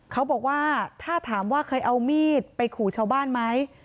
เขาบอกว่าถ้าถามว่าเคยเอามีดไปขู่ชาวบ้านไหม